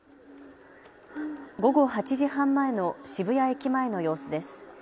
午後８時半前の渋谷駅前の様子です。